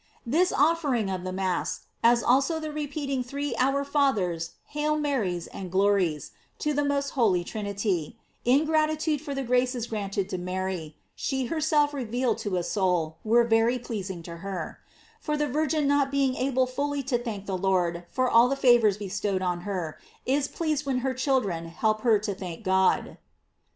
"f This offering of the Mass, as also the repeating three "Our Fathers," <4Hail Marys," and "Glories" to the most holy Trinity, in gratitude for the graces granted to Mary, she herself revealed to a soul, were very pleasing to her; for the Virgin not being able fully to thank the Lord for all the favors bestowed on her, is pleased when her children help her to thank God.